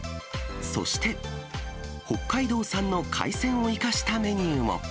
そして、北海道産の海鮮を生かしたメニューも。